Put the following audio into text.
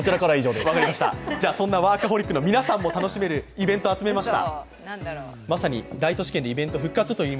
そんなワーカホリックの皆さんも楽しめるイベントを集めました。